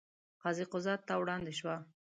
قاضي قضات ته وړاندې شوه.